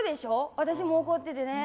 私も怒っててね。